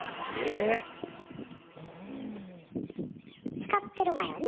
使ってるわよね？